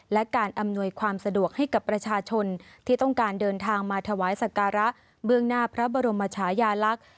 และการอำนวยความสะดวกให้กับประชาชนที่ต้องการเดินทางมาถวายสการะเบื้องหน้าพระบรมชายาลักษณ์